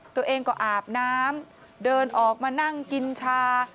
ตัวเองก็อาบน้ำเดินออกมานั่งกินชา